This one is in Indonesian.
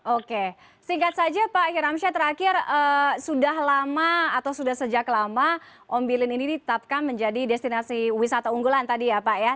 oke singkat saja pak hiramsyah terakhir sudah lama atau sudah sejak lama ombilin ini ditetapkan menjadi destinasi wisata unggulan tadi ya pak ya